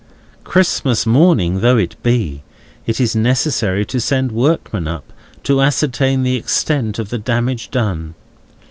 Christmas morning though it be, it is necessary to send up workmen, to ascertain the extent of the damage done.